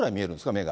目が。